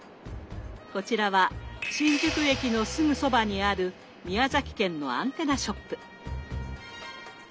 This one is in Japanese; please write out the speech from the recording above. こちらは新宿駅のすぐそばにある宮崎県のアンテナショップ。